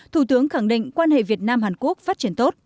thủ tướng khẳng định quan hệ việt nam hàn quốc phát triển tốt